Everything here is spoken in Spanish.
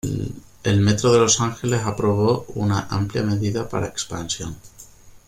El metro de Los Ángeles aprobó una amplia medida para expansión.